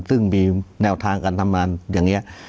ซึ่งมีแนวทางการทำงานอย่างนี้